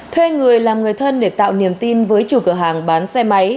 thuê người làm người thân để tạo niềm tin với chủ cửa hàng bán xe máy